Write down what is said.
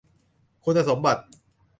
คุณสมบัติ